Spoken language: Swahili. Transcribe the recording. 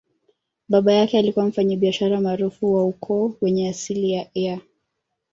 Baba yake alikuwa mfanyabiashara maarufu wa ukoo wenye asili ya Eire.